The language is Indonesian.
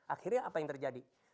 akhirnya apa yang terjadi